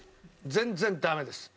全然ダメです。